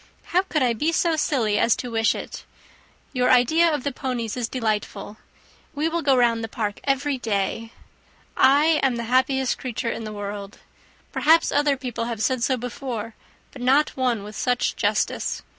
How could I be so silly as to wish it! Your idea of the ponies is delightful. We will go round the park every day. I am the happiest creature in the world. Perhaps other people have said so before, but no one with such justice.